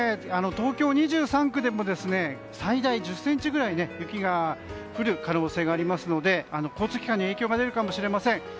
東京２３区でも最大１０ｃｍぐらい雪が降る可能性がありますので交通機関に影響が出るかもしれません。